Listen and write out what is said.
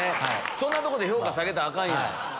そんなとこで評価下げたらアカンやん。